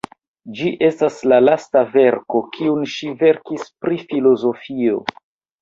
Ĝi estas la lasta verko kiun ŝi verkis pri filozofio.